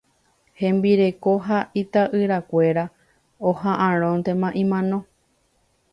Hembireko ha itaʼyrakuéra ohaʼãróntema imano.